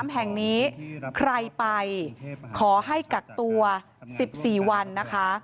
๓แห่งนี้ใครไปขอให้กักตัว๑๔วันนะคะ